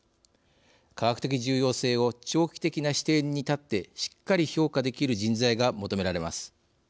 科学的重要性を長期的な視点に立ってしっかり評価できる人材が求められます。